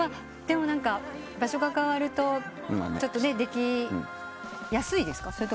でも何か場所が変わるとちょっとできやすいですか？